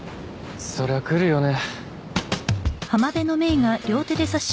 そりゃ来るよね